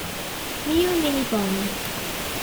Mio mini pony